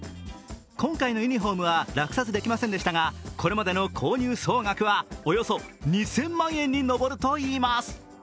今回のユニフォームは落札できませんでしたが、これまでの購入総額はおよそ２０００万円に上るといいます。